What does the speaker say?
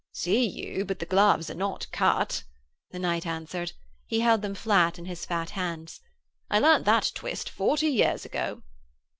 'See you, but the gloves are not cut,' the knight answered. He held them flat in his fat hands. 'I learnt that twist forty years ago.'